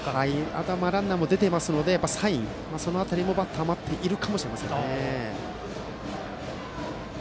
あとはランナーも出ていますのでサインも、バッターは待っているかもしれませんね。